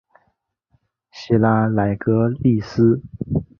希拉莱格利斯。